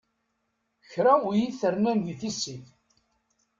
Kra ur yi-t-rnan d tissit.